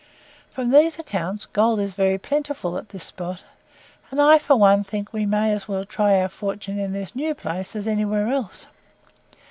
From these accounts, gold is very plentiful at this spot, and I for one think we may as well try our fortune in this new place, as anywhere else.